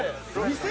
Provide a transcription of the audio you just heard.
店？